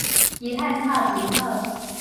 伊漢草真好